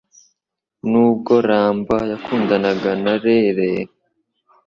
N'ubwo Ramba yakundanaga na Rere,